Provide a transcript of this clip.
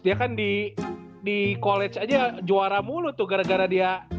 dia kan di college aja juara mulut tuh gara gara dia